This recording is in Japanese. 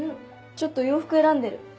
ちょっと洋服選んでる。